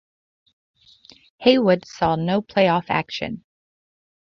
Haywood saw no playoff action.